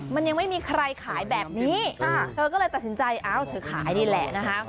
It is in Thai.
มันยังไม่มีใครขายแบบนี้เธอก็เลยตัดสินใจอ้าวเธอขายนี่แหละนะคะ